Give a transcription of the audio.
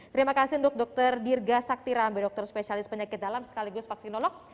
terima kasih untuk dr dirga saktiram dokter spesialis penyakit dalam sekaligus vaksinolog